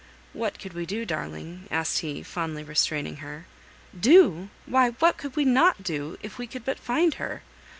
"What could we do, darling?" asked he, fondly restraining her. "Do! Why! what could we not do, if we could but find her?